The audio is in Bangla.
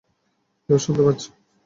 কেউ শুনতে পাচ্ছো?